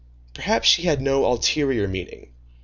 Perhaps she had no ulterior meaning.